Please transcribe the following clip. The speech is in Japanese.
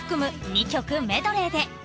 ２曲メドレーで］